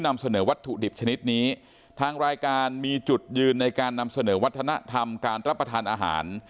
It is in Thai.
นำเสนอวัตถุดิบชนิดนี้ทางรายการมีจุดยืนในการนำเสนอวัฒนธรรมการรับประทานอาหาร